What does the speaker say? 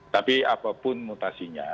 tapi apapun mutasinya